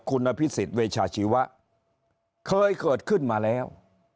คุณอภิษฎเวชาชีวะเคยเกิดขึ้นมาแล้ว